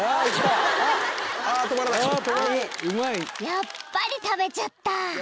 ［やっぱり食べちゃった］